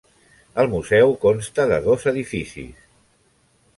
El museu consta de dos edificis.